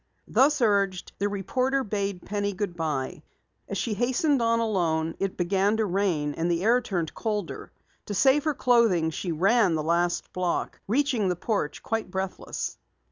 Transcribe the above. Thus urged, the reporter bade Penny good bye. As she hastened on alone, it began to rain and the air turned colder. To save her clothing, she ran the last block, reaching the porch quite breathless.